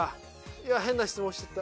変な質問しちゃった。